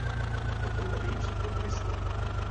Je to levý přítok Visly.